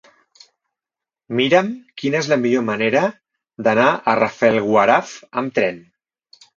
Mira'm quina és la millor manera d'anar a Rafelguaraf amb tren.